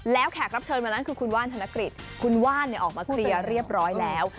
แล้วแขกรับเชิญวันนั้นคือคุณว่านธนกฤษคุณว่านออกมาเคลียร์เรียบร้อยแล้ว